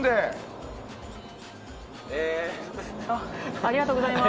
ありがとうございます。